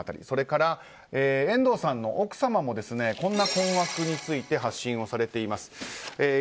それから遠藤さんの奥さまもこんな困惑について発信をされています。